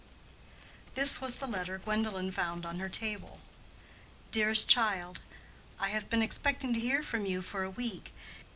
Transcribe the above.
This was the letter Gwendolen found on her table: DEAREST CHILD.—I have been expecting to hear from you for a week.